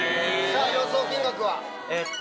予想金額は？